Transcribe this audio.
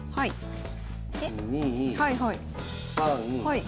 はいはい。